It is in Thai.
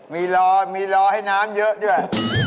มีรอมีรอให้น้ำเยอะด้วย